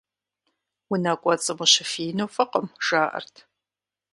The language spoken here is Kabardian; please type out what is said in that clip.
Унэ кӀуэцӀым ущыфиину фӀыкъым, жаӀэрт.